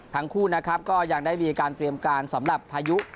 ทั้งคู่นะครับก็ยังได้มีการเตรียมการสำหรับพายุ